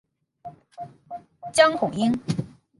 江孔殷。